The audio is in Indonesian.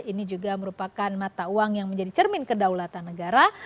ini juga merupakan mata uang yang menjadi cermin kedaulatan negara